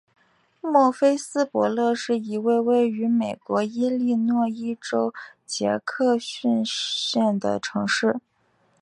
莫菲斯伯勒是一个位于美国伊利诺伊州杰克逊县的城市。